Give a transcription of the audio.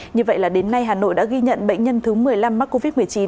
như vậy là đến nay hà nội đã ghi nhận bệnh nhân thứ một mươi năm mắc covid một mươi chín